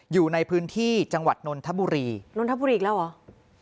อยู่ในพื้นที่จังหวัดนนทบุรีนนทบุรีอีกแล้วเหรอ